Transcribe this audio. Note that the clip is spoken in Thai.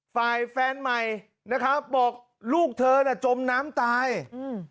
ฝ่ายแฟนใหม่นะครับบอกลูกเธอน่ะจมน้ำตายอืม